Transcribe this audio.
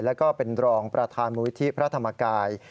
และเป็นรองประธานมุทิพระธรรมกาย